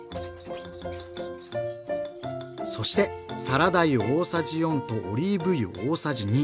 そしてサラダ油大さじ４とオリーブ油大さじ２。